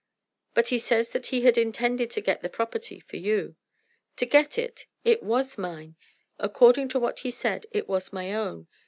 "But he says that he had intended to get the property for you." "To get it! It was mine. According to what he said it was my own.